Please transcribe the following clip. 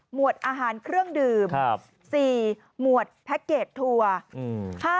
วดอาหารเครื่องดื่ม๔หมวดแพ็คเกจทัวร์